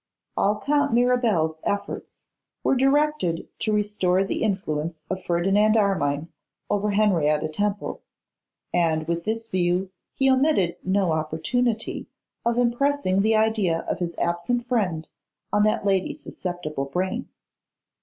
All Count Mirabel's efforts were directed to restore the influence of Ferdinand Armine over Henrietta Temple; and with this view he omitted no opportunity of impressing the idea of his absent friend on that lady's susceptible brain.